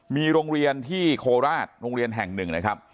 มีโรงเรียนที่โคราชโรงเรียนแห่งหนึ่งนะครับ